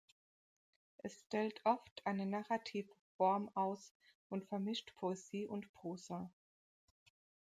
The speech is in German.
Es stellt oft eine narrative Form aus und vermischt Poesie und Prosa.